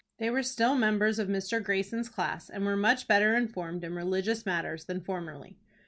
They were still members of Mr. Greyson's class, and were much better informed in religious matters than formerly.